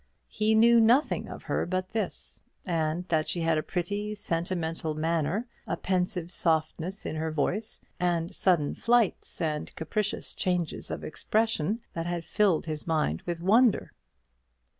He knew nothing of her but this: and that she had a pretty, sentimental manner, a pensive softness in her voice, and sudden flights and capricious changes of expression that had filled his mind with wonder.